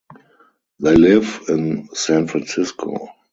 They live in San Francisco.